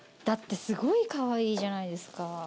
だってすごいカワイイじゃないですか。